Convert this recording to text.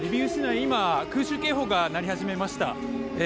今、空襲警報が鳴り始めました。